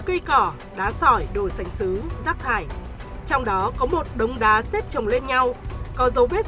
cây cỏ đá sỏi đồ sành xứ rác thải trong đó có một đống đá xét trồng lên nhau có dấu vết